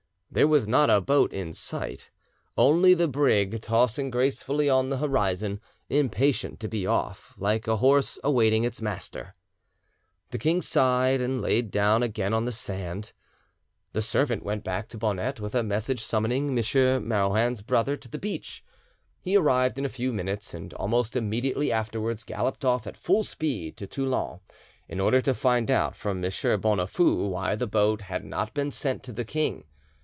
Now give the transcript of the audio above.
There was not a boat in sight, only the brig tossing gracefully on the horizon, impatient to be off, like a horse awaiting its master. The king sighed and lay down again on the sand. The servant went back to Bonette with a message summoning M. Marouin's brother to the beach. He arrived in a few minutes, and almost immediately afterwards galloped off at full speed to Toulon, in order to find out from M. Bonafoux why the boat had not been sent to the king.